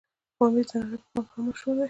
پامير دنړۍ په بام هم مشهور دی